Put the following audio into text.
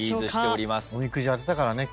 おみくじ当てたからね。